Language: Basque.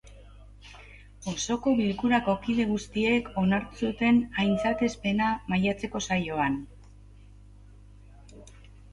Osoko bilkurako kide guztiek onartu zuten aintzatespena, maiatzeko saioan.